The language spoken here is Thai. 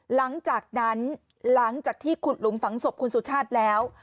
หลังจากที่ขุดหลุมฝังศพคุณสุชาติแล้ว